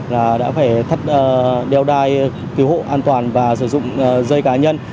là đã phải thắt đeo tay cứu hộ an toàn và sử dụng dây cá nhân